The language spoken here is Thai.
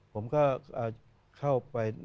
ผมก็เข้าไป